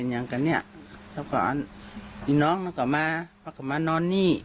อย่างกันเนี่ยอีน้องก็มาพักมานอนนี่